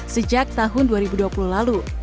sejak tahun dua ribu dua puluh lalu